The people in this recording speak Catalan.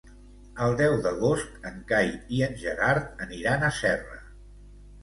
El deu d'agost en Cai i en Gerard aniran a Serra.